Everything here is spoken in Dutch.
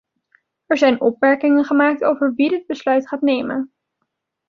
Er zijn opmerkingen gemaakt over wie dit besluit gaat nemen.